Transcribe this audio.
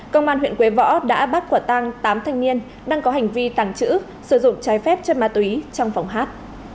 công an huyện quế võ đã bắt quả tăng tám thanh niên đang có hành vi tàng trữ sử dụng trái phép chất ma túy trong phòng hát